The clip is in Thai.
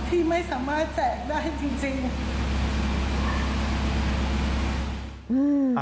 ที่ไม่สามารถแจกได้จริง